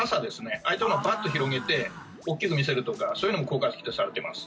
ああいったものをバッと広げて大きく見せるとかそういうのも効果的とされています。